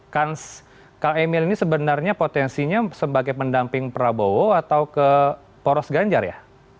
kans kang emil ini sebenarnya potensinya sebagai pendamping prabowo atau ke poros ganjar ya